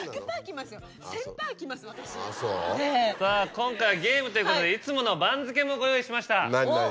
今回はゲームということでいつもの番付もご用意しました。